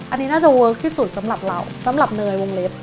อันนี้น่าจะเวิร์คที่สุดสำหรับเราสำหรับเนยวงเล็บ